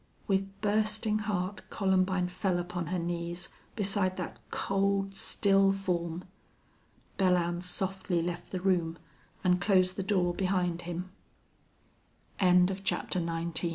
With bursting heart Columbine fell upon her knees beside that cold, still form. Belllounds softly left the room and closed the door behind him. CHAPTER XX Nature was prodi